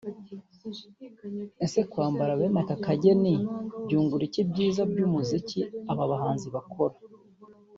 Ese kwambara bene aka kageni byungura iki bwiza bw’umuziki aba bahanzi bakora